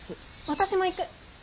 私も行く。